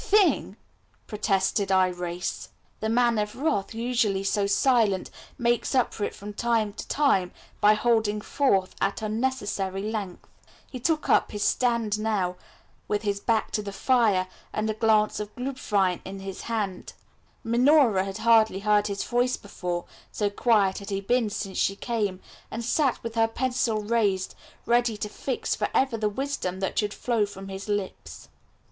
"Thing?" protested Irais. The Man of Wrath, usually so silent, makes up for it from time to time by holding forth at unnecessary length. He took up his stand now with his back to the fire, and a glass of Glubwein in his hand. Minora had hardly heard his voice before, so quiet had he been since she came, and sat with her pencil raised, ready to fix for ever the wisdom that should flow from his lips.